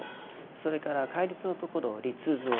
それから戒律のところを「律蔵」